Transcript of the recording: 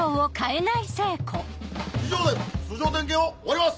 以上で通常点検を終わります！